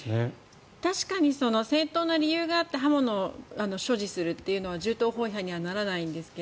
確かに、正当な理由があって刃物を所持するというのは銃刀法違反にはならないんですが